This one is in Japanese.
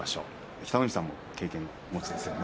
北の富士さんも経験をお持ちですよね。